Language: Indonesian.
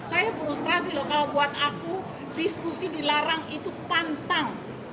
saya frustrasi loh kalau buat aku diskusi dilarang itu pantang